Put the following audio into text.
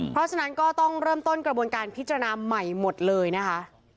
เพราะฉะนั้นก็ต้องเริ่มต้นกระบวนการพิจารณาใหม่หมดเลยนะคะ